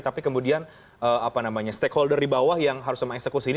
tapi kemudian stakeholder di bawah yang harus mengeksekusi ini